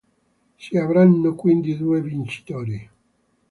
Si avranno quindi due vincitori.